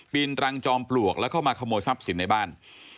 นรังจอมปลวกแล้วเข้ามาขโมยทรัพย์สินในบ้าน